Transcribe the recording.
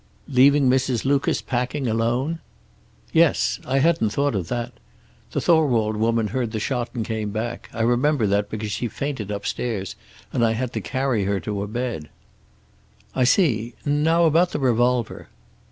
"Leaving Mrs. Lucas packing alone?" "Yes. I hadn't thought of that. The Thorwald woman heard the shot and came back. I remember that, because she fainted upstairs and I had to carry her to a bed." "I see. Now about the revolver."